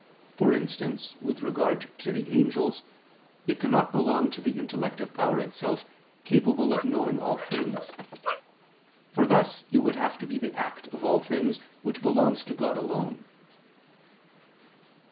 For instance, with regard to the angels, it cannot belong to the intellective power itself capable of knowing all things: for thus it would have to be the act of all things, which belongs to God alone.